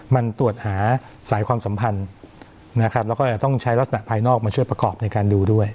มันตรวจหาสายความสัมพันธ์นะครับแล้วก็จะต้องใช้ลักษณะภายนอกมาช่วยประกอบในการดูด้วย